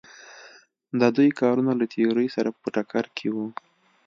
د دوی کارونه له تیورۍ سره په ټکر کې وو.